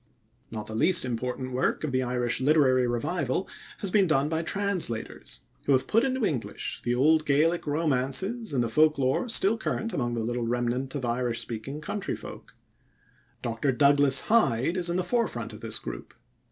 Not the least important work of the Irish Literary Revival has been done by translators, who have put into English the old Gaelic romances and the folklore still current among the little remnant of Irish speaking country folk. Dr. Douglas Hyde is in the forefront of this group.